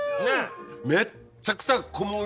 めっちゃくちゃ小麦！